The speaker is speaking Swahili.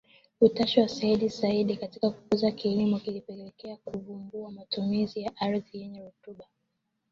Utashi wa Seyyid Said katika kukuza kilimo kulipelekea kuvumbua matumizi ya ardhi yenye rutuba